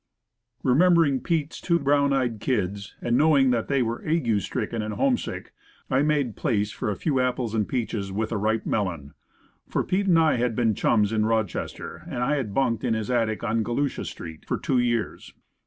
Remembering Pete's two brown eyed "kids," and knowing that they were ague stricken and homesick, I made place for a few apples and peaches, with a ripe melon. For Pete and I had been chums in Rochester, and I had bunked in his attic on Galusha street, for two years.